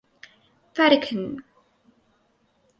Vatican.